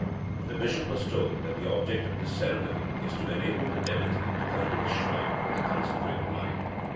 The Bishop was told that the object of this ceremony is to enable the devotee to come to the shrine with a concentrated mind.